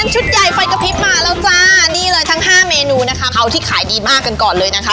ชุดใหญ่ไฟกระพริบมาแล้วจ้านี่เลยทั้ง๕เมนูนะคะเอาที่ขายดีมากกันก่อนเลยนะคะ